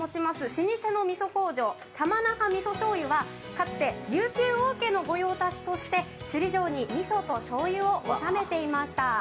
老舗のみそ工場、玉那覇味噌醤油はかつて琉球王家の御用達として首里城にみそとしょうゆを納めてきました。